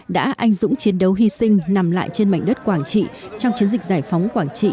đã anh dũng chiến đấu hy sinh nằm lại trên mảnh đất quảng trị trong chiến dịch giải phóng quảng trị